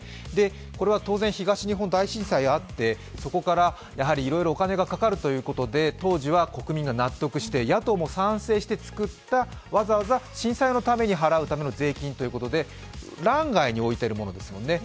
これは当然東日本大震災があって、そこからいろいろお金がかかるということで当時は国民が納得して野党も賛成して作ったわざわざ震災のために支払うための税金ということで、欄外に置いてるものですよね。